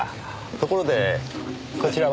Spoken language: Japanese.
ところでこちらは？